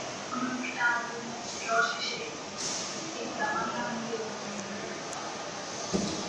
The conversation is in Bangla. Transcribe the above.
অন্যদিকে টানা দুই ম্যাচ ড্র শেষে শেখ জামাল ধানমন্ডি আবার চেনা রূপে।